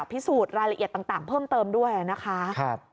พิสูจน์รายละเอียดต่างเพิ่มเติมด้วยนะคะ